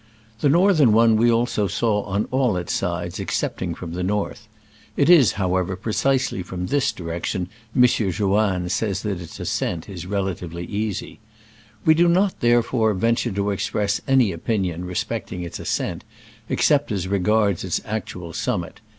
The northern one we also saw on all sides excepting from the north. (It is, however, precisely from this direction M. Joanne says that its ascent is rela tively easy.) We do not, therefore, venture to express any opinion respect ing its ascent, except as regards its actual summit.